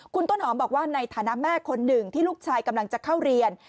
คุณต้นหอมบอกว่าในฐานะแม่คนหนึ่งที่ลูกชายกำลังจะเข้าเรียน